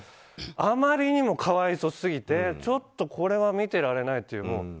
あまりにも可哀想すぎてちょっと、これは見てられないと。